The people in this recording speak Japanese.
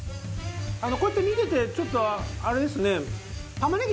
こうやって見ててちょっとあれですね。